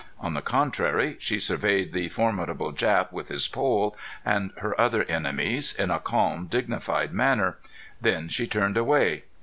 On the contrary she surveyed the formidable Jap with his pole, and her other enemies in a calm, dignified manner. Then she turned away.